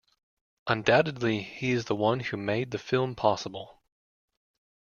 Undoubtedly he is the one who made the film possible.